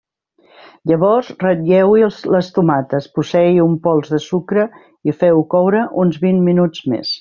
Llavors ratlleu-hi les tomates, poseu-hi un pols de sucre i feu-ho coure uns vint minuts més.